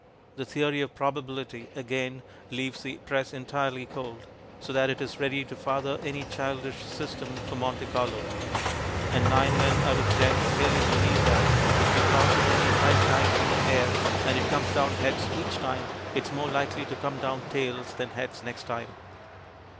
The Theory of Probability, again, leaves the press entirely cold, so that it is ready to father any childish "system" for Monte Carlo. And nine men out of ten really believe that, if you toss a penny five times in the air and it comes down heads each time, it is more likely to come down tails than heads next time.